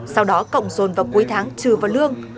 sau đó cộng dồn vào cuối tháng trừ vào lương